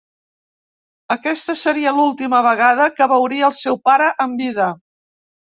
Aquesta seria l'última vegada que veuria el seu pare en vida.